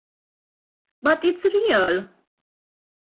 But it's real!